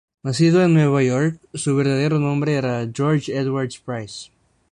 Nacido en Nueva York, su verdadero nombre era George Edwards Price.